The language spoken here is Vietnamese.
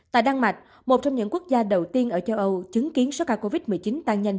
tại đan mạch một trong những quốc gia đầu tiên ở châu âu chứng kiến số ca covid một mươi chín tăng nhanh